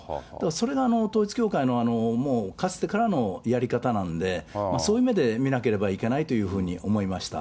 それが統一教会のもうかつてからのやり方なんで、そういう目で見なければいけないというふうに思いました。